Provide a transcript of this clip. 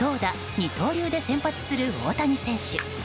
二刀流で先発する大谷選手。